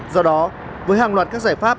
do đó với hàng loạt các giải pháp